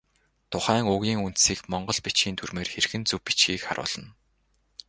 Тухайн үгийн үндсийг монгол бичгийн дүрмээр хэрхэн зөв бичихийг харуулна.